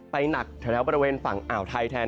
หนักแถวบริเวณฝั่งอ่าวไทยแทน